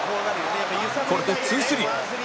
これでツースリー